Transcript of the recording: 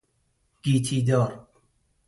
گیتی دار